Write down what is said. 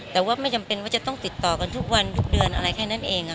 แต่ว่าไม่จำเป็นว่าจะต้องติดต่อกันทุกวันทุกเดือนอะไรแค่นั้นเอง